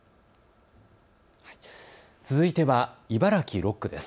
続いては茨城６区です。